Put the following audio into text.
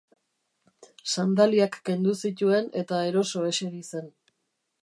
Sandaliak kendu zituen eta eroso eseri zen.